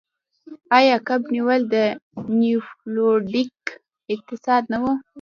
آیا کب نیول د نیوفونډلینډ اقتصاد نه و؟